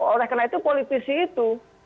oleh karena itu politisi itu